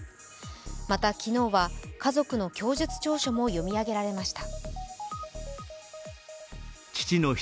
また昨日は家族の供述調書も読み上げられました。